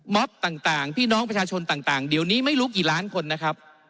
ต่างพี่น้องประชาชนต่างเดี๋ยวนี้ไม่รู้กี่ล้านคนนะครับ